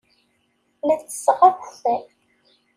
La ttesseɣ akeffay.